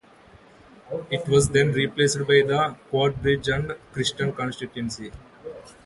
It was then replaced by the Coatbridge and Chryston constituency.